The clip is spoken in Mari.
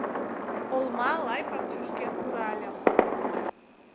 Олма-лай пакчашкет пуральым.